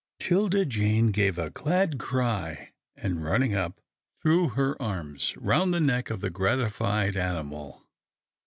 'Tilda Jane gave a glad cry, and, running up, threw her arms round the neck of the gratified animal.